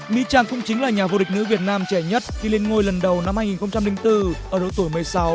mỹ trang cũng chính là nhà vô địch nữ việt nam trẻ nhất khi lên ngôi lần đầu năm hai nghìn bốn ở độ tuổi một mươi sáu